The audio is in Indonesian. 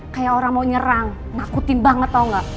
kayak orang mau nyerang nakutin banget tau gak